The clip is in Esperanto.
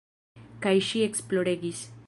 Kaj ŝi ekploregis.